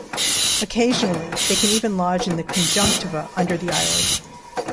Occasionally they can even lodge in the conjunctiva under the eyelid.